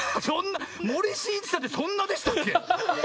森進一さんってそんなでしたっけ？